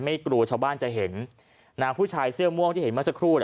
กลัวชาวบ้านจะเห็นผู้ชายเสื้อม่วงที่เห็นเมื่อสักครู่